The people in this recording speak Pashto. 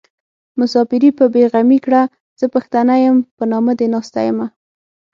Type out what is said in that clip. مساپري په بې غمي کړه زه پښتنه يم په نامه دې ناسته يمه